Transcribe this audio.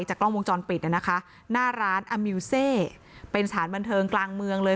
กล้องวงจรปิดนะคะหน้าร้านอามิวเซเป็นสถานบันเทิงกลางเมืองเลย